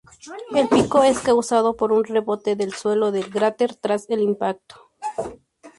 El pico es causado por un rebote del suelo del cráter tras el impacto.